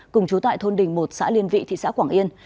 cùng chú tại thôn đình một xã liên vị thị xã quảng yên